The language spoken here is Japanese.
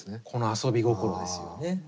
この遊び心ですよね。